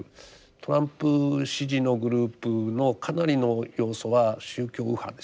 トランプ支持のグループのかなりの要素は宗教右派ですね。